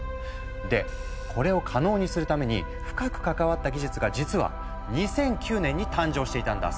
でこれを可能にするために深く関わった技術が実は２００９年に誕生していたんだ。